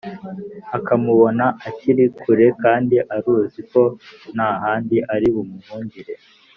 akamubona akiri kure kandi aruzi ko nta handi ari bumuhungire,